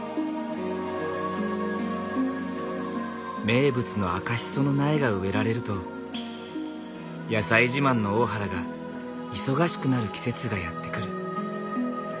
名物の赤しその苗が植えられると野菜自慢の大原が忙しくなる季節がやって来る。